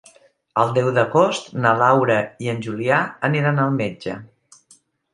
El deu d'agost na Laura i en Julià aniran al metge.